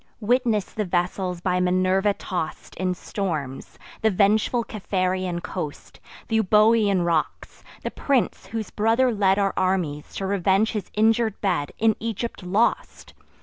Witness the vessels by Minerva toss'd In storms; the vengeful Capharean coast; Th' Euboean rocks! the prince, whose brother led Our armies to revenge his injur'd bed, In Egypt lost!